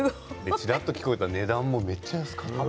ちらっと聞こえた値段めちゃくちゃ安かった。